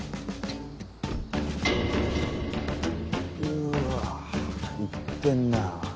うわいってんなぁ。